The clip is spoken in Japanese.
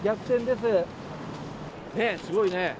すごいね。